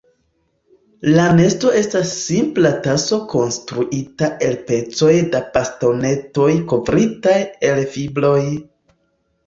La nesto estas simpla taso konstruita el pecoj da bastonetoj kovritaj el fibroj.